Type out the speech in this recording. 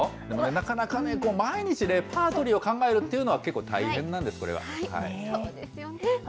でもなかなかね、毎日レパートリーを考えるというのは、結構大変そうですよね。